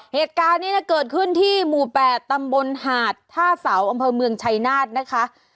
เหตุการณ์นี้เกิดขึ้นที่หมู่๘ตำบลหาดท่าเสาอำเภอเมืองชัยนาธนะคะ